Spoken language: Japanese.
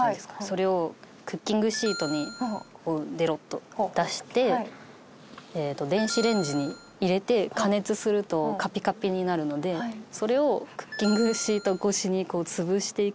それをクッキングシートにデロッと出して電子レンジに入れて加熱するとカピカピになるのでそれをクッキングシート越しに潰していくと粉になるんです。